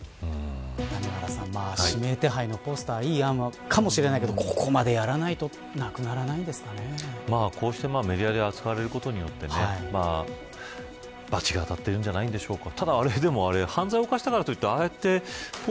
指名手配のポスターいい案かもしれないけど、ここまでやらないとこうしてメディアで扱われることによって罰が当たっているんじゃないでしょうか。